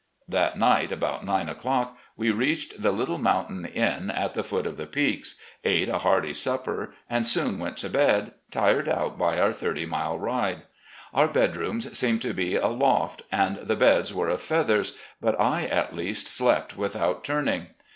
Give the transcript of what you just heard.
"That night about nine o'clock we reached the little mountain inn at the foot of the Peaks, ate a hearty supper, and soon went to bed, tired out by our thirty mile ride. Our bedrooms seemed to be a loft, and the beds were of feathers, but I, at least, slept without turning.